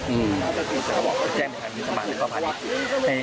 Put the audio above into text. แต่เขาบอกว่าแจ้งไม่ทันมีสมาธิก็ผ่านอีก